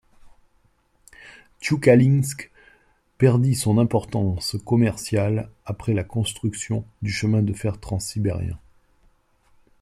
Tioukalinsk perdit son importance commerciale après la construction du chemin de fer Transsibérien.